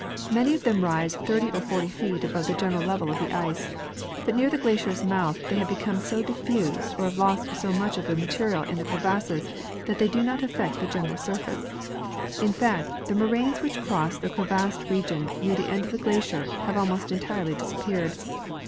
Many of them rise 30 or 40 feet above the general level of the ice ; but near the glacier's mouth they have become so diffused or have lost so much of their material in crevasses that they do not affect the general surface. In fact, the moraines which cross the crevassed region near the end of the glacier have almost entirely disap peared.